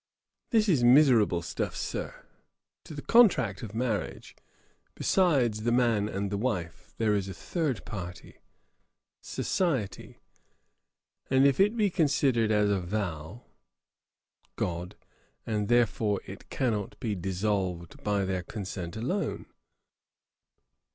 'This is miserable stuff, Sir. To the contract of marriage, besides the man and wife, there is a third party Society; and if it be considered as a vow GOD: and, therefore, it cannot be dissolved by their consent alone.